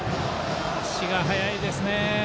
足が速いですね。